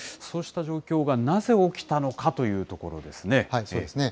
そうした状況がなぜ起きたのかというところですね。